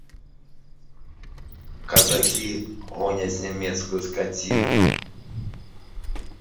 Казакі гоняць нямецкую скаціну.